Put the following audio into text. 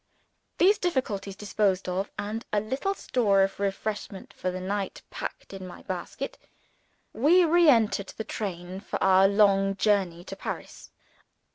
These difficulties disposed of, and a little store of refreshment for the night packed in my basket, we re entered the train, for our long journey to Paris.